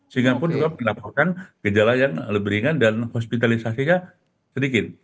sehingga pun juga mendapatkan gejala yang lebih ringan dan hospitalisasinya sedikit